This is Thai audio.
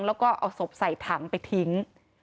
แล้วก็เอาศพใส่ถังไปทิ้ง